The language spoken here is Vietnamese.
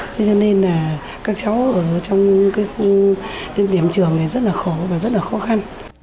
thế cho nên là các cháu ở trong cái điểm trường này rất là khổ và rất là khó khăn